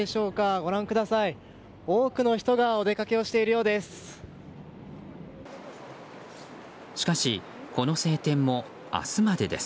ご覧ください、多くの人がお出かけをしているようです。